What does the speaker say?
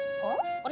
あれ？